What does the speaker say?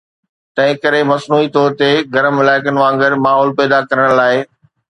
تنهن ڪري، مصنوعي طور تي گرم علائقن وانگر ماحول پيدا ڪرڻ لاء